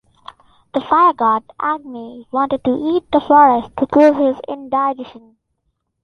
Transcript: The fire-god Agni wanted to "eat" the forest to cure his indigestion.